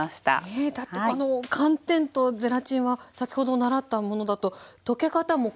えだってこの寒天とゼラチンは先ほど習ったものだと溶け方も固まり方も違いますもんね。